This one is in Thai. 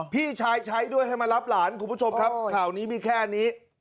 พี่ชายใช้ด้วยให้มารับหลานคุณผู้ชมครับข่าวนี้มีแค่นี้